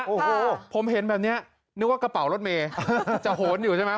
โอ้โหผมเห็นแบบนี้นึกว่ากระเป๋ารถเมย์จะโหนอยู่ใช่ไหม